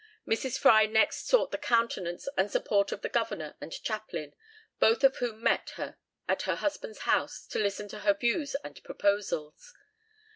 Mrs. Fry next sought the countenance and support of the governor and chaplain, both of whom met her at her husband's house to listen to her views and proposals.